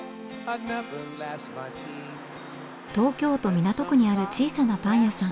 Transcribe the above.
東京都港区にある小さなパン屋さん。